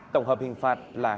tổng hợp hình phạt là